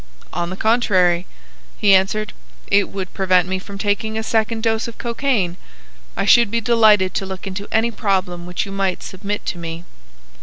"On the contrary," he answered, "it would prevent me from taking a second dose of cocaine. I should be delighted to look into any problem which you might submit to me."